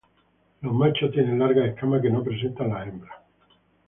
Los machos tienen largas escamas que no presentan las hembras.